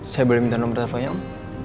saya boleh minta nomor teleponnya om